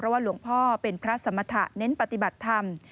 ว่าหลวงพ่อเป็นพระสมรรถะเน้นปฏิบัติธรรม